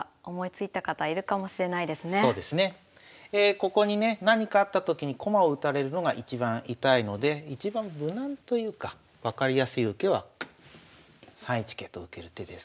ここにね何かあったときに駒を打たれるのが一番痛いので一番無難というか分かりやすい受けは３一桂と受ける手です。